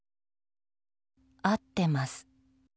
合ってます。